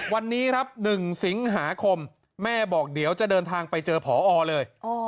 วันนี้ครับ๑สิงหาคมแม่บอกเดี๋ยวจะเดินทางไปเจอผอเลย